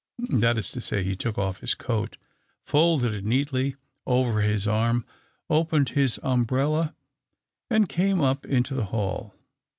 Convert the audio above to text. That is to say, he took off his coat, folded it neatly over his arm, opened his umbrella, and came up into the hall.